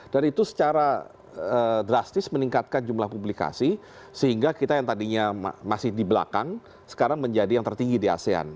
dan itu secara drastis meningkatkan jumlah publikasi sehingga kita yang tadinya masih di belakang sekarang menjadi yang tertinggi di asean